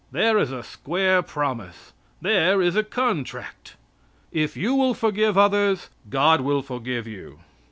There is a square promise. There is a contract. If you will forgive others, God will forgive you.